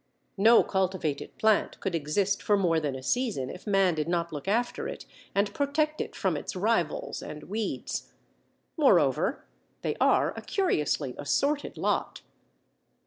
No cultivated plant could exist for more than a season if man did not look after it and protect it from its rivals and weeds. Moreover, they are a curiously assorted lot.